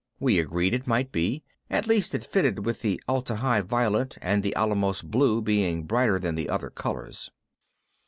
We agreed it might be. At least it fitted with the Atla Hi violet and the Alamos blue being brighter than the other colors.